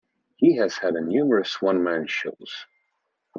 He has had numerous one-man-shows.